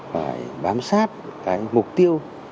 phải bám sát cái mục tiêu